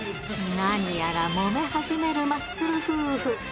何やらもめ始めるマッスル夫婦。